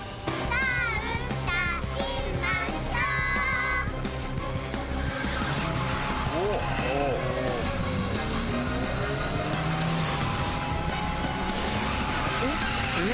さあうたいましょうえっ